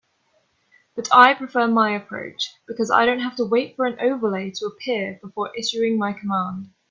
But I prefer my approach because I don't have to wait for an overlay to appear before issuing my command.